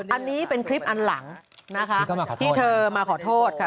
อันนี้เป็นคลิปอันหลังนะคะที่เธอมาขอโทษค่ะ